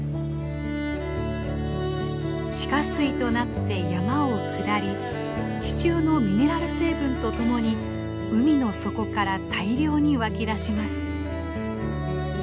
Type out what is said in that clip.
地下水となって山を下り地中のミネラル成分と共に海の底から大量に湧き出します。